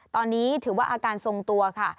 ตอนนี้ถือว่าอาการทรงตัวค่ะ